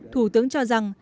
thủ tướng cho rằng